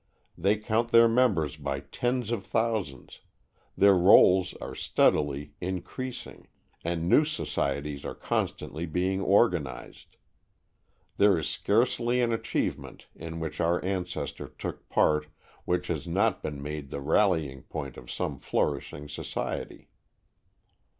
They count their members by tens of thousands, their rolls are steadily increasing, and new societies are constantly being organized. There is scarcely an achievement in which our ancestors took part which has not been made the rallying point of some flourishing society.